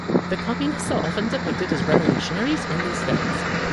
The Communists are often depicted as "revolutionaries" in these films.